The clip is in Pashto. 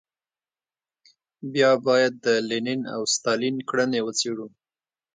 بیا باید د لینین او ستالین کړنې وڅېړو.